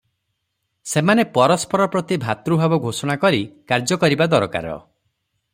ସେମାନେ ପରସ୍ପର ପ୍ରତି ଭାତୃଭାବ ଘୋଷଣା କରି କାର୍ଯ୍ୟ କରିବା ଦରକାର ।